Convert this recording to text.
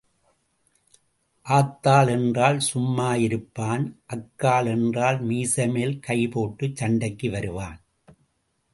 ஆத்தாள் என்றால் சும்மா இருப்பான் அக்காள் என்றால் மீசைமேல் கை போட்டுச் சண்டைக்கு வருவான்.